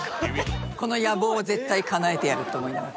この野望を絶対叶えてやると思いながら。